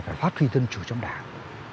phải phát huy dân chủ trong đảng